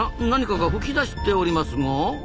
何かが噴き出しておりますが？